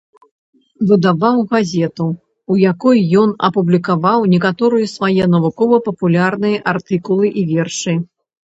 Выдаваў газету, у якой ён апублікаваў некаторыя свае навукова-папулярныя артыкулы і вершы.